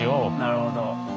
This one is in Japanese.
なるほど。